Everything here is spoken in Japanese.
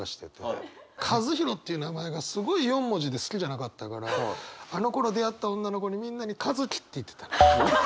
「かずひろ」っていう名前がすごい４文字で好きじゃなかったからあのころ出会った女の子にみんなに「かづき」って言ってた。